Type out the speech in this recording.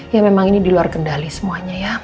ya memang ini di luar kendali semuanya ya